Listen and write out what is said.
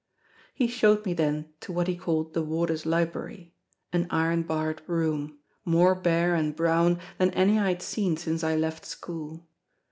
He showed me then to what he called the Warder's Library—an iron barred room, more bare and brown than any I had seen since I left school.